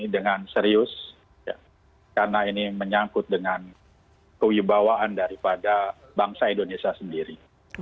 dengan serius karena ini menyangkut dengan kewibawaan daripada bangsa indonesia sendiri